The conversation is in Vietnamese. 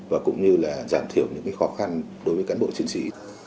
và cũng như là giảm thiểu những cái khó khăn đối với cán bộ chiến sĩ